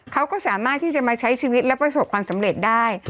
เขาก็สามารถที่จะมาใช้ชีวิตและประสบความสำเร็จได้